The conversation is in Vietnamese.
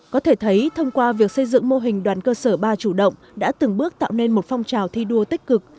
có thể thấy thông qua việc xây dựng mô hình đoàn cơ sở ba chủ động đã từng bước tạo nên một phong trào thi đua tích cực